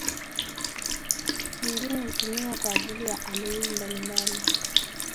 Nyingine hutumiwa kwa ajili ya aloi mbalimbali.